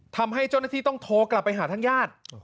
ทำให้เจ้าหน้าที่ต้องโทรกลับไปหาทางญาติ